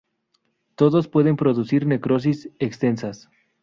Todos pueden producir necrosis extensas.